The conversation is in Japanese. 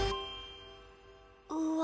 うわ！